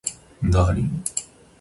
ダーリン